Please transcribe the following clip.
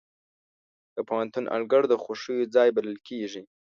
د پوهنتون انګړ د خوښیو ځای بلل کېږي.